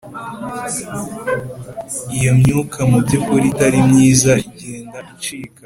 Iyo myuka mu by ukuri itari myiza igenda icika.